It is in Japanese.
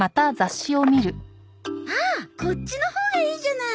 ああこっちのほうがいいじゃない。